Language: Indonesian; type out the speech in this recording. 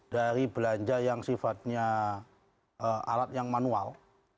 dari belanja yang sifatnya alat yang manual